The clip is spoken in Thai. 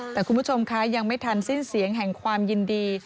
แต่คุณผู้ชมคะยังไม่ทันสิ้นเสียงแห่งความยินดี